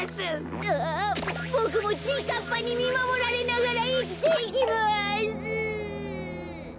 ああボクもちぃかっぱにみまもられながらいきていきます。